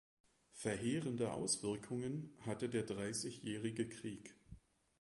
Verheerende Auswirkungen hatte der Dreißigjährige Krieg.